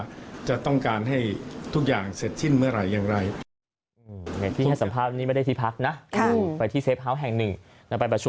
ว่าจะต้องการให้ทุกอย่างเสร็จสิ้นเมื่อไหร่อย่างไร